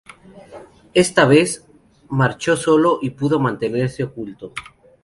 Esta vez marchó solo y pudo mantenerse oculto.